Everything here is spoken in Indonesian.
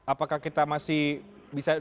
apakah kita masih bisa